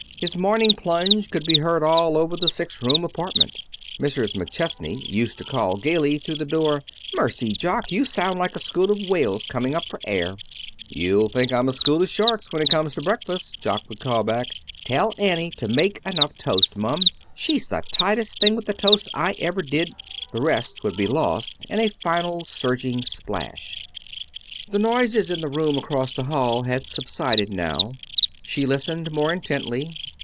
His morning plunge could be heard all over the six room apartment. Mrs. McChesney used to call gayly through the door: "Mercy, Jock! You sound like a school of whales coming up for air." "You'll think I'm a school of sharks when it comes to breakfast," Jock would call back. "Tell Annie to make enough toast, Mum. She's the tightest thing with the toast I ever did " The rest would be lost in a final surging splash. The noises in the room across the hall had subsided now. She listened more intently.